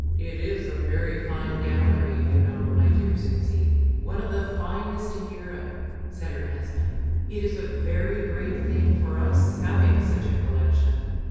"It is a very fine gallery, you know, my dear Susy, one of the finest in Europe," said her hus band. "It is a very great thing for us having such a collection.